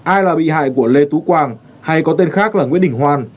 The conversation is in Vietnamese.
ai là bị hại của lê tú quang hay có tên khác là nguyễn đình hoan